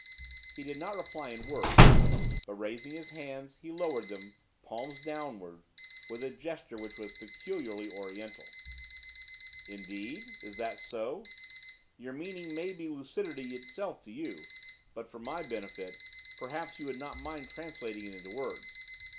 He did not reply in words, but, raising his hands he lowered them, palms downward, with a gesture which was peculiarly oriental. 'Indeed? Is that so? Your meaning may be lucidity itself to you, but, for my benefit, perhaps you would not mind translating it into words.